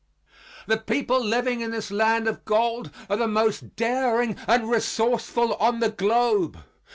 The people living in this land of gold are the most daring and resourceful on the globe.